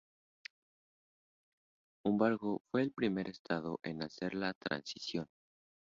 Hamburgo fue el primer estado en hacer la transición.